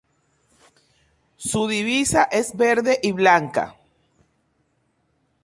Su divisa es verde y blanca.